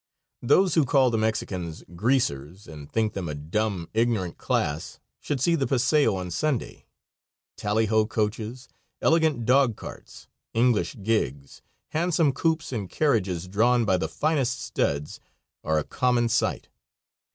Those who call the Mexicans "greasers," and think them a dumb, ignorant class, should see the paseo on Sunday: tally ho coaches, elegant dog carts, English gigs, handsome coupes and carriages, drawn by the finest studs, are a common sight.